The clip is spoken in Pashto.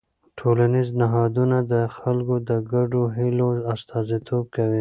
ټولنیز نهادونه د خلکو د ګډو هيلو استازیتوب کوي.